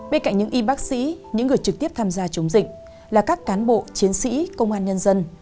bên cạnh những y bác sĩ những người trực tiếp tham gia chống dịch là các cán bộ chiến sĩ công an nhân dân